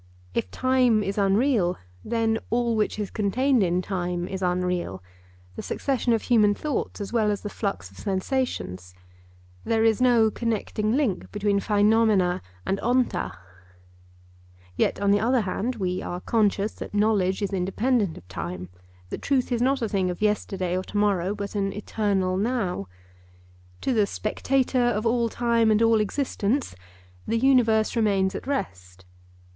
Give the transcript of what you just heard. If time is unreal, then all which is contained in time is unreal—the succession of human thoughts as well as the flux of sensations; there is no connecting link between (Greek) and (Greek). Yet, on the other hand, we are conscious that knowledge is independent of time, that truth is not a thing of yesterday or tomorrow, but an 'eternal now.' To the 'spectator of all time and all existence' the universe remains at rest.